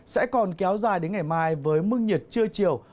sẽ còn kéo dài đến ngày mai với mức nhiệt trưa chiều